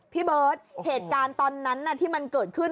พี่เบิร์ตเหตุการณ์ตอนนั้นที่มันเกิดขึ้น